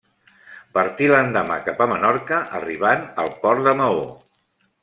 Partí l'endemà cap a Menorca arribant al port de Maó.